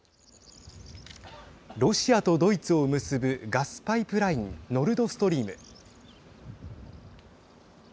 ロシアとドイツを結ぶガスパイプラインノルドストリーム。